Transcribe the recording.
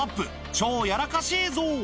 超やらかし映像。